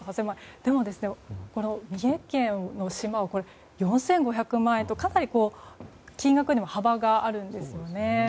でも、三重県の島は４５００万円とかなり金額にも幅があるんですよね。